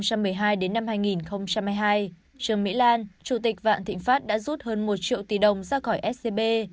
trường mỹ lan chủ tịch vạn thịnh phát đã rút hơn một triệu tỷ đồng ra khỏi scb